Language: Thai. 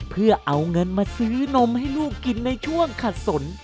เพื่อเอาเงินมาซื้อนมให้ลูกกินในช่วงขัดสน